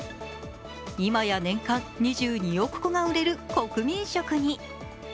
今や年間２２億個が売れる国民食に。